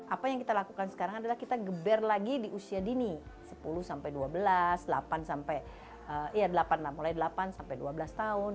apa yang kita lakukan sekarang adalah kita geber lagi di usia dini sepuluh sampai dua belas delapan sampai delapan sampai dua belas tahun